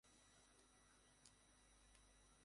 আসলে, আমার তোমাকে কিছু বলার আছে।